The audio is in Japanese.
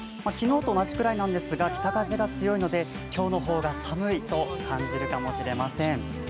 昨日と同じくらいなんですが、北風が強いので今日のほうが寒いと感じるかもしれません。